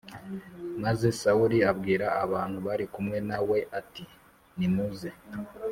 Maze Sawuli abwira abantu bari kumwe na we ati nimuze